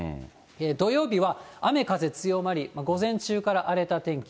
土曜日は雨風強まり、午前中から荒れた天気。